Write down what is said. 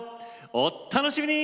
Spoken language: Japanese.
お楽しみに！